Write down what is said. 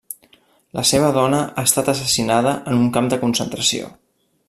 La seva dona ha estat assassinada en un camp de concentració.